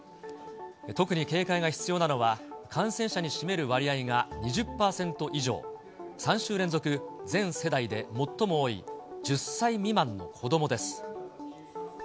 特に警戒が必要なのは、感染者に占める割合が２０％以上、３週連続全世代で最も多い１０歳未満の子どもです。